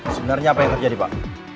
sebenarnya apa yang terjadi pak